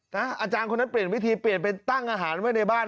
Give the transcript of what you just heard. อาจารย์คนนั้นเปลี่ยนวิธีเปลี่ยนเป็นตั้งอาหารไว้ในบ้าน